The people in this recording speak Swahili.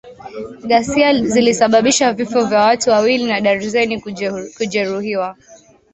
Ghasia zilisababisha vifo vya watu wawili na darzeni kujeruhiwa